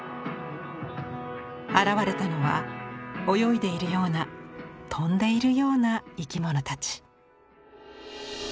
現れたのは泳いでいるような飛んでいるような「いきもの」たち。